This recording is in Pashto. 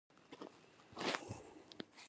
د باریم تعامل له اکسیجن سره دی.